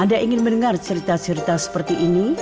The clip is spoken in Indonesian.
anda ingin mendengar cerita cerita seperti ini